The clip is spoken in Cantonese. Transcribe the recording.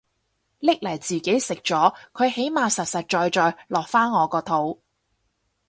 拎嚟自己食咗佢起碼實實在在落返我個肚